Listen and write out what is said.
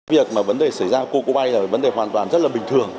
việc mà vấn đề xảy ra cô cô bay là vấn đề hoàn toàn rất là bình thường